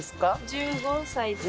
１５歳です。